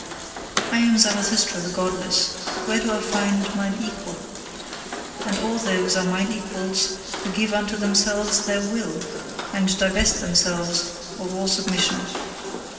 I am Zarathustra the godless: where do I find mine equal? And all those are mine equals who give unto themselves their Will, and divest themselves of all submission.